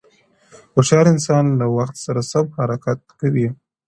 هوښیار انسان له وخت سره سم حرکت کوي،